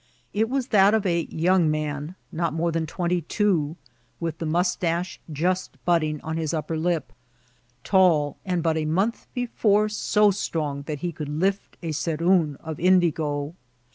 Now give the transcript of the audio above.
It wa^ that of a young man, not moze than twenty two^ with the miifitache just bud« ding on his upper lip^ tall, and but a m<»ith before so strong that he could ^' lift a ceroon of indigo.''